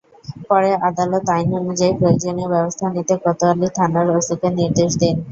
পরে আদালত আইন অনুযায়ী প্রয়োজনীয় ব্যবস্থা নিতে কোতোয়ালি থানার ওসিকে নির্দেশ দেন।